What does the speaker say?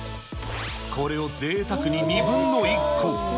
これをぜいたくに２分の１個。